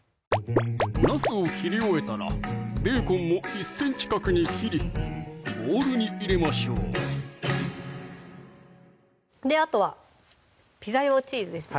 なすを切り終えたらベーコンも１ｃｍ角に切りボウルに入れましょうあとはピザ用チーズですね